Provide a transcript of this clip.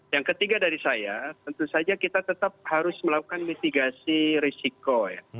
yang ketiga dari saya tentu saja kita tetap harus melakukan mitigasi risiko ya